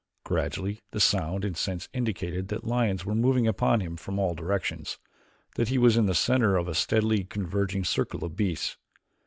Gradually the sounds and scents indicated that lions were moving upon him from all directions, that he was in the center of a steadily converging circle of beasts.